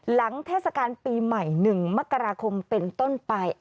หลังเทศกาลปีใหม่หนึ่งมกราคมเป็นต้นไป